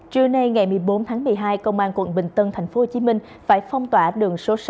trưa nay ngày một mươi bốn tháng một mươi hai công an quận bình tân tp hcm phải phong tỏa đường số sáu